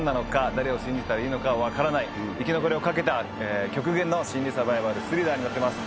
誰を信じたらいいのか分からない生き残りを懸けた極限の心理サバイバルスリラーになってます